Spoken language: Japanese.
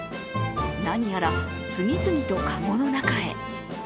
何やら次々と籠の中へ。